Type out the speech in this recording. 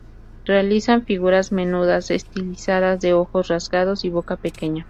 Realizan figuras menudas, estilizadas, de ojos rasgados y boca pequeña.